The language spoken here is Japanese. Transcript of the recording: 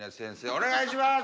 お願いします！